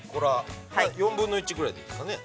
◆４分の１ぐらいでいいですかね。